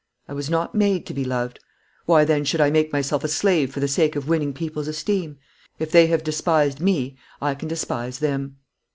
I was not made to be loved. Why, then, should I make myself a slave for the sake of winning people's esteem? If they have despised me, I can despise them."